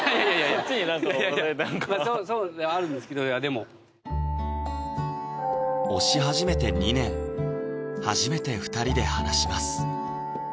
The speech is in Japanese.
そっちに何か推されて何かそうではあるんですけどいやでも推し始めて２年初めて２人で話します